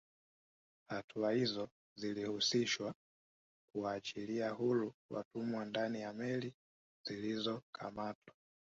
Hatua izo zilihusisha kuwaachilia huru watumwa ndani ya meli zinazokamatwa